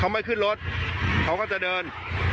เขาไม่ขึ้นรถเขาก็จะเดิน